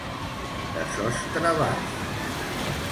De sostre baix.